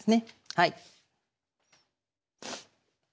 はい。